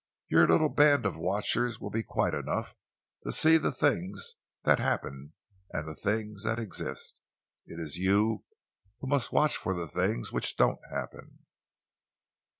Your little band of watchers will be quiet enough to see the things that happen and the things that exist. It is you who must watch for the things which don't happen."